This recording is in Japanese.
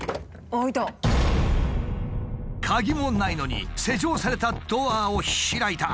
鍵もないのに施錠されたドアを開いた。